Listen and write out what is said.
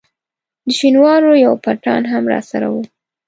د شینوارو یو پټان هم راسره وو.